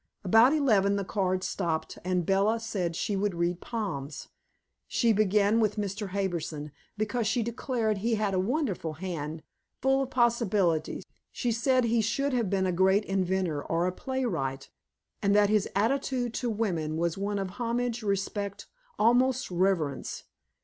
About eleven the cards stopped, and Bella said she would read palms. She began with Mr. Harbison, because she declared he had a wonderful hand, full of possibilities; she said he should have been a great inventor or a playwright, and that his attitude to women was one of homage, respect, almost reverence.